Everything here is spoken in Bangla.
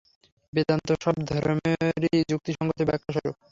বেদান্ত সব ধর্মেরই যুক্তিসঙ্গত ব্যাখ্যাস্বরূপ।